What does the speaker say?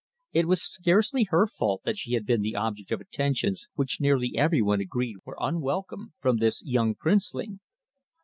It was scarcely her fault that she had been the object of attentions which nearly every one agreed were unwelcome, from this young princeling.